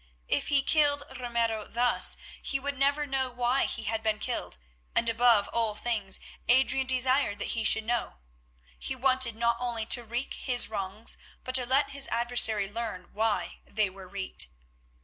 If he killed Ramiro thus, he would never know why he had been killed, and above all things Adrian desired that he should know. He wanted not only to wreak his wrongs, but to let his adversary learn why they were wreaked.